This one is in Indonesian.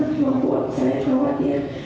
membuat saya khawatir